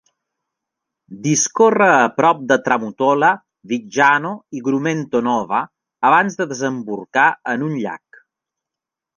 Discorre a prop de Tramutola, Viggiano i Grumento Nova abans de desembocar en un llac.